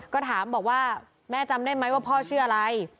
ก็ถามบอกว่าแม่จำได้ไหมว่าพ่อชื่ออะไร